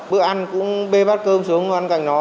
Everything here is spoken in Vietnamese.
bữa ăn cũng bê bát cơm xuống ăn cạnh đó